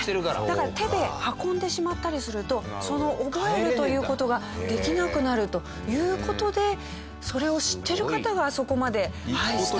だから手で運んでしまったりするとその覚えるという事ができなくなるという事でそれを知ってる方があそこまでしたようです。